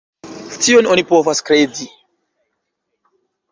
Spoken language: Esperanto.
Tion oni povas kredi.